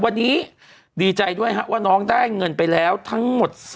วันนี้ดีใจด้วยว่าน้องได้เงินไปแล้วทั้งหมด